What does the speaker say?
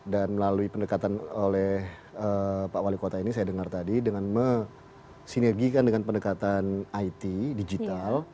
dan melalui pendekatan oleh pak wali kota ini saya dengar tadi dengan mesinergikan dengan pendekatan it digital